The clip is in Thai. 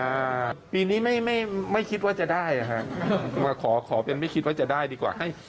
อ่าปีนี้ไม่ไม่ไม่คิดว่าจะได้อ่ะฮะมาขอขอเป็นไม่คิดว่าจะได้ดีกว่าให้